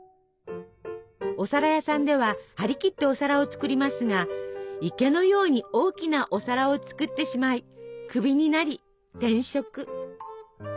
お皿屋さんでははりきってお皿を作りますが池のように大きなお皿を作ってしまいクビになり転職。